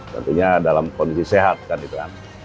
tentunya dalam kondisi sehat kan itu kan